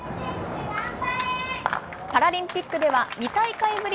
パラリンピックでは２大会ぶり